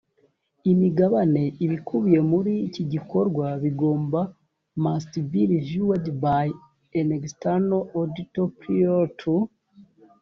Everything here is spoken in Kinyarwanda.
imigabane ibikubiye muri iki gikorwa bigomba must be reviewed by an external auditor prior to